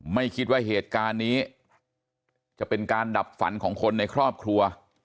ไม่คิดว่าเหตุการณ์นี้จะเป็นการดับฝันของคนในครอบครัว